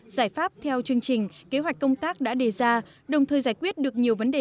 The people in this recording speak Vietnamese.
giải pháp theo chương trình kế hoạch công tác đã đề ra đồng thời giải quyết được nhiều vấn đề